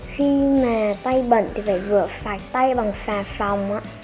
khi mà tay bẩn thì phải rửa sạch tay bằng xà phòng